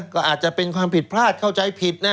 ก็อาจจะเป็นความผิดพลาดเข้าใจผิดนะ